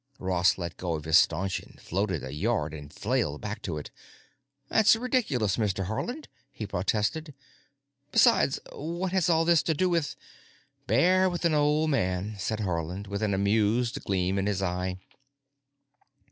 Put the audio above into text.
Ross let go of his stanchion, floated a yard, and flailed back to it. "That's ridiculous, Mr. Haarland," he protested. "Besides, what has all this to do with——" "Bear with an old man," said Haarland, with an amused gleam in his eye.